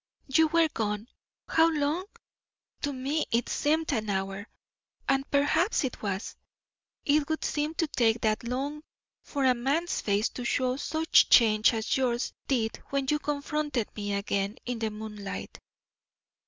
You were gone how long? To me it seemed an hour, and perhaps it was. It would seem to take that long for a man's face to show such change as yours did when you confronted me again in the moonlight.